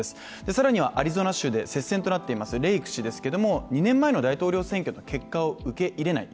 更にはアリゾナ州で接戦となっているレイク氏ですけれども、２年前の大統領選挙の結果を受け入れない。